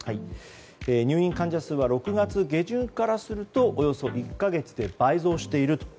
入院患者数は６月下旬からするとおよそ１か月で倍増していると。